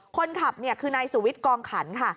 คนขับคือในสูวิตกองขันค่ะ